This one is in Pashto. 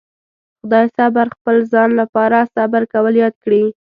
خدای صبر خپل ځان لپاره صبر کول ياد کړي.